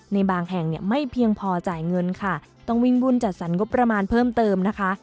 ในบางแห่งเนี่ยไม่เพียงพอจ่ายเงินค่ะต้องวิ่งบุญจัดสรรงบประมาณเพิ่มเติมนะคะ